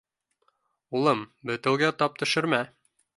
— Улым, бетеүгә тап төшөрмә!